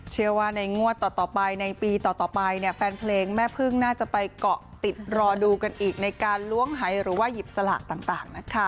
เชื่อว่าในงวดต่อไปในปีต่อไปเนี่ยแฟนเพลงแม่พึ่งน่าจะไปเกาะติดรอดูกันอีกในการล้วงหายหรือว่าหยิบสลากต่างนะคะ